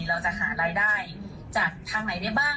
เราจะหารายได้จากทางไหนได้บ้าง